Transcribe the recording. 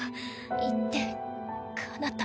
行ってかなた。